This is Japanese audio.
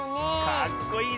かっこいいね。